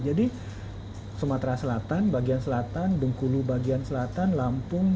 jadi sumatera selatan bagian selatan dungkulu bagian selatan lampung